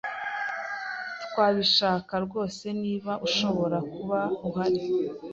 Twabishaka rwose niba ushobora kuba uhari.